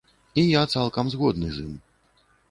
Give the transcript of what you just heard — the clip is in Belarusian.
І я цалкам згодны з ім.